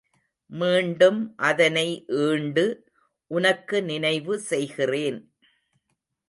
மீண்டும் அதனை ஈண்டு உனக்கு நினைவு செய்கிறேன்.